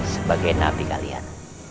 sebagai nabi kalian